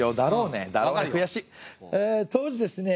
当時ですね